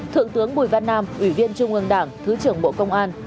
thượng tướng bùi văn nam ủy viên trung ương đảng thứ trưởng bộ công an